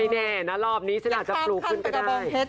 แน่นะรอบนี้ฉันอาจจะปลูกขึ้นก็ได้